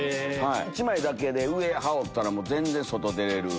１枚だけで上羽織ったら全然外出れる。